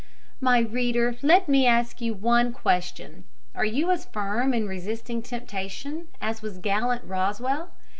My reader, let me ask you one question: Are you as firm in resisting temptation as was gallant Rosswell?